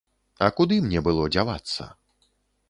А куды мне было дзявацца?